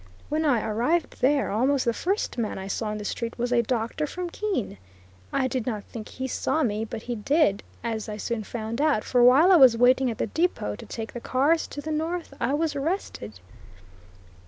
When I arrived there, almost the first man I saw in the street was a doctor from Keene. I did not think he saw me, but he did, as I soon found out, for while I was waiting at the depot to take the cars to the north, I was arrested.